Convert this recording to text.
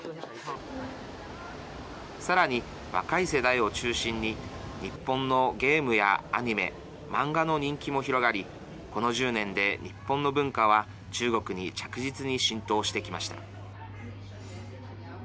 さらに、若い世代を中心に日本のゲームやアニメ漫画の人気も広がりこの１０年で日本の文化は中国に着実に浸透してきました。